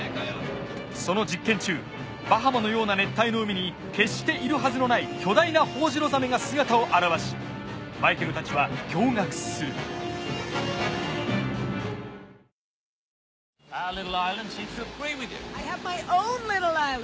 その実験中バハマのような熱帯の海に決しているはずのない巨大なホオジロザメが姿を現しマイケルたちは驚愕する島の気候が合っているようですね。